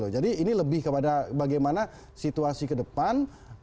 jadi ini lebih kepada bagaimana situasi ke depan